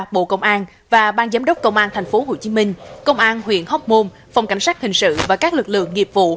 bộ công an và ban giám đốc công an tp hcm công an huyện hóc môn phòng cảnh sát hình sự và các lực lượng nghiệp vụ